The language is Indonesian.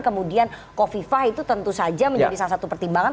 kemudian kofifah itu tentu saja menjadi salah satu pertimbangan